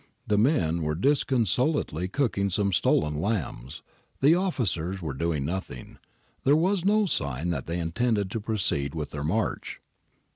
The men were disconsolately cooking some stolen lambs ; the officers were doing nothing ; there was no sign that they intended to proceed with their march.